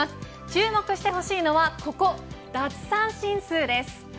注目してほしいのはここ奪三振数です。